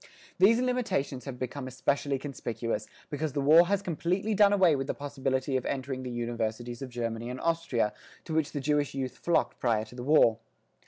These limitations have become especially conspicuous, because the war has completely done away with the possibility of entering the universities of Germany and Austria, to which the Jewish youth flocked prior to the war.